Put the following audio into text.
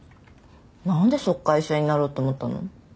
なんでそこから医者になろうって思ったの？